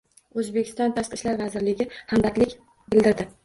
O‘zbekiston Tashqi ishlar vazirligi hamdardlik bildirdi